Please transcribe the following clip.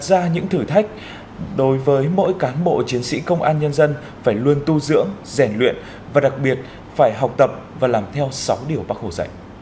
đặt ra những thử thách đối với mỗi cán bộ chiến sĩ công an nhân dân phải luôn tu dưỡng rèn luyện và đặc biệt phải học tập và làm theo sáu điều bác hồ dạy